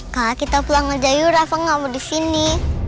kak kita pulang aja yuk rafa gak mau disini